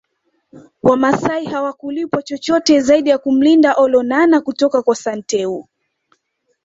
Wamasai hawakulipwa chochote zaidi ya kumlinda Olonana kutoka kwa Santeu